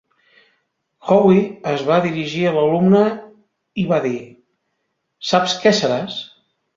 Howe es va dirigir a l'alumne i va dir: Saps què seràs?